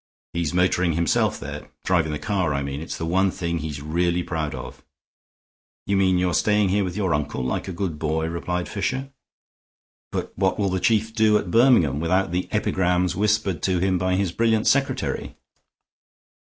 He's motoring himself there; driving the car, I mean. It's the one thing he's really proud of." "You mean you're staying here with your uncle, like a good boy?" replied Fisher. "But what will the Chief do at Birmingham without the epigrams whispered to him by his brilliant secretary?"